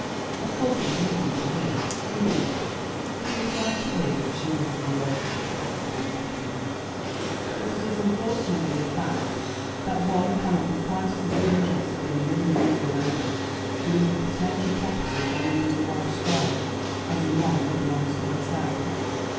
Of course it was nothing to him; indeed he was glad to hear that she was in the way of such a comfortable settlement, but it is unfortunately a fact that one cannot be quite as much interested in a young and lovely lady who is the potential property of a "lumbering Welsh squire," as in one who belongs to herself.